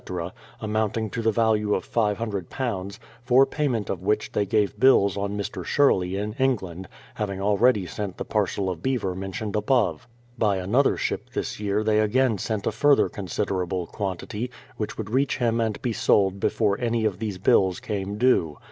amounting to the value of £500, for pay ment of which they gave bills on Mr. Sherley in England, having already sent the parcel of beaver mentioned above. By another ship this year they again sent a further con siderable quantity, which would reach him and be sold 275 «76 BRADFORD'S HISTORY OF before any of these bills came due.